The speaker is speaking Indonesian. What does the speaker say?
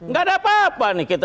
gak ada apa apa nih kita